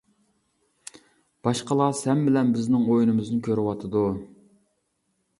! باشقىلار سەن بىلەن بىزنىڭ ئويۇنىمىزنى كۆرۈۋاتىدۇ!